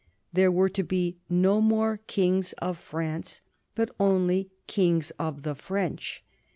There were to be no more kings of France, but only kings of the French.